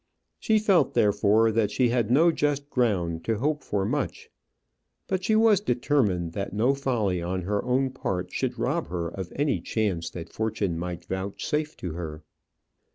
She felt, therefore, that she had no just ground to hope for much; but she was determined that no folly on her own part should rob her of any chance that fortune might vouchsafe to her.